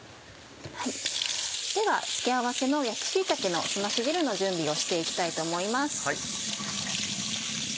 では付け合わせの焼き椎茸のすまし汁の準備をして行きたいと思います。